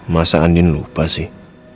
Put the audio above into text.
masa andien lupa sih